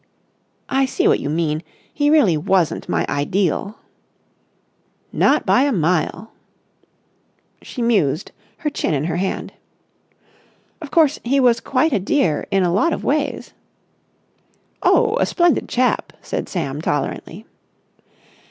"I see what you mean. He really wasn't my ideal." "Not by a mile!" She mused, her chin in her hand. "Of course, he was quite a dear in a lot of ways." "Oh, a splendid chap," said Sam tolerantly.